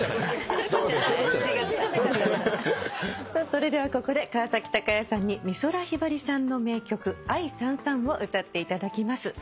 それではここで川崎鷹也さんに美空ひばりさんの名曲『愛燦燦』を歌っていただきます。